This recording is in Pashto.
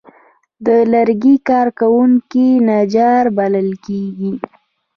د لرګي کار کوونکي نجار بلل کېږي.